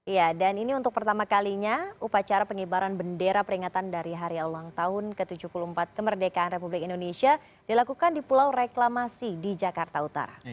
ya dan ini untuk pertama kalinya upacara pengibaran bendera peringatan dari hari ulang tahun ke tujuh puluh empat kemerdekaan republik indonesia dilakukan di pulau reklamasi di jakarta utara